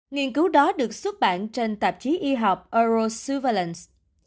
nghiên cứu đó được xuất bản trên tạp chí y học eurosuvalence